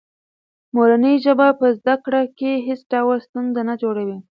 مورنۍ ژبه په زده کړه کې هېڅ ډول ستونزه نه جوړوي.